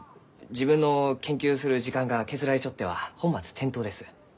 自分の研究する時間が削られちょっては本末転倒です。